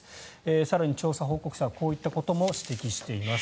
更に調査報告書はこういったことも指摘してます。